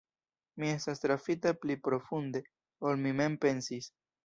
Mi estas trafita pli profunde, ol mi mem pensis.